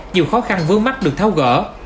nhiều khó khăn vớn mắt được tháo gỡ